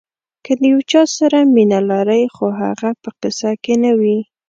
که د یو چا سره مینه لرئ خو هغه په قصه کې نه وي.